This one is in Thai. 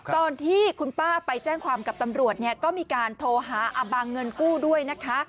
ตอนที่คุณป้าไปแจ้งความกับตำรวจเนี่ยก็มีการโทรหาอบางเงินกู้ด้วยนะคะ